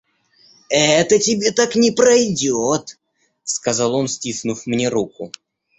«Это тебе так не пройдет, – сказал он, стиснув мне руку.